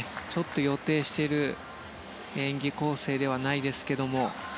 予定している演技構成ではないです。